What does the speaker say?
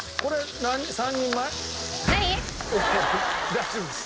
大丈夫です。